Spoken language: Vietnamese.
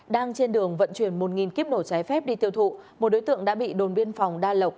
đang trên đường vận chuyển một kíp nổ trái phép đi tiêu thụ một đối tượng đã bị đồn biên phòng đa lộc